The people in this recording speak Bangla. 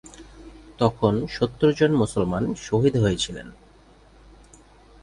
তখন সত্তর জন মুসলমান শহীদ হয়েছিলেন।